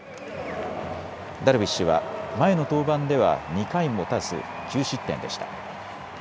ダルビッシュは前の登板では２回もたず、９失点でした。